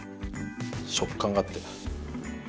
食感があって。